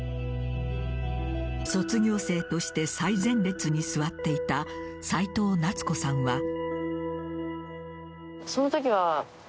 卒業生として最前列に座っていた齋藤夏子さんは。